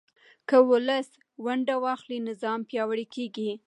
که ولس ونډه واخلي، نظام پیاوړی کېږي.